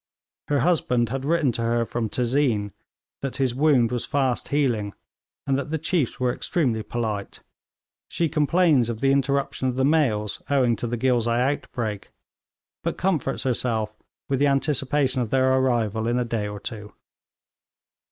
Her husband had written to her from Tezeen that his wound was fast healing, and that the chiefs were extremely polite. She complains of the interruption of the mails owing to the Ghilzai outbreak, but comforts herself with the anticipation of their arrival in a day or two.